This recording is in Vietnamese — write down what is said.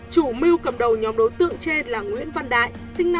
chủ mưu cầm đầu nhóm đối tượng trên là nguyễn văn đại sinh năm một nghìn chín trăm chín mươi bốn